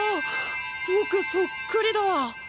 ぼくそっくりだ！